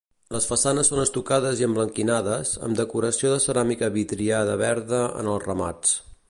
Les façanes són estucades i emblanquinades, amb decoració de ceràmica vidriada verda en els remats.